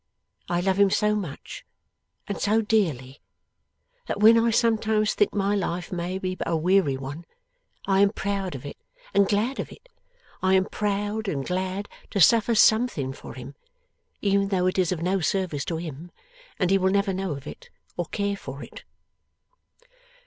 I love him so much, and so dearly, that when I sometimes think my life may be but a weary one, I am proud of it and glad of it. I am proud and glad to suffer something for him, even though it is of no service to him, and he will never know of it or care for it.